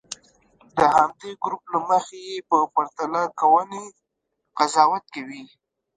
د همدې ګروپ له مخې یې په پرتله کوونې قضاوت کوي.